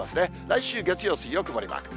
来週月曜、水曜、曇りマーク。